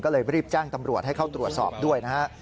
ก็เลยรีบแจ้งตำรวจให้เข้าตรวจสอบด้วยนะฮะ